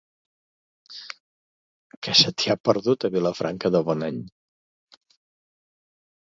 Què se t'hi ha perdut, a Vilafranca de Bonany?